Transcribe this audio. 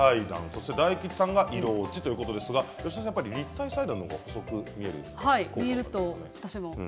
そして大吉さんが色落ちということですが吉田さん、立体裁断のほうが細く見えると思いますか。